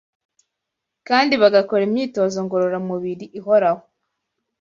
kandi bagakora imyitozo ngororamubiri ihoraho